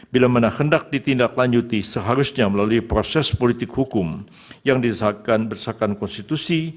bila mana hendak ditindaklanjuti seharusnya melalui proses politik hukum yang didesakan desakan konstitusi